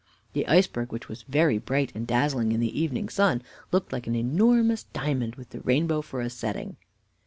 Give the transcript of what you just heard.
The iceberg, which was very bright and dazzling in the evening sun, looked like an enormous diamond, with the rainbow for the setting."